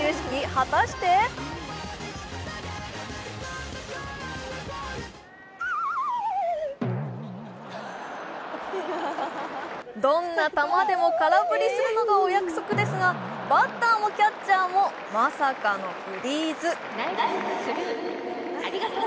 果たしてどんな球でも空振りするのがお約束ですがバッターもキャッチャーもまさかのフリーズ。